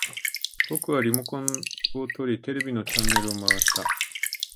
僕はリモコンを取り、テレビのチャンネルを回した